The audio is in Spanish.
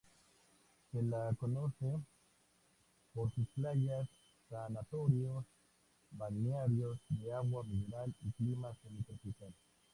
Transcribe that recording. Se la conoce por sus playas, sanatorios, balnearios de agua mineral y clima semitropical.